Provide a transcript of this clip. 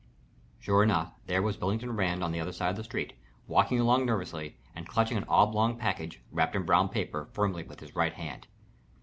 Sure enough, there was Billington Rand on the other side of the street, walking along nervously and clutching an oblong package, wrapped in brown paper, firmly in his right hand.